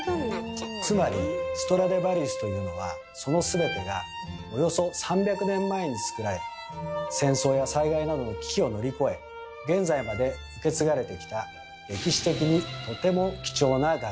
つまりストラディヴァリウスというのはその全てがおよそ３００年前に作られ戦争や災害などの危機を乗り越え現在まで受け継がれてきた歴史的にとても貴重な楽器なんです。